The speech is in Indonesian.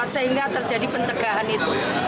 sehingga terjadi pencegahan itu